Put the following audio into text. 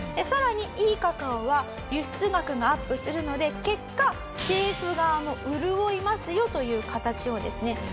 さらにいいカカオは輸出額がアップするので結果政府側も潤いますよという形をですね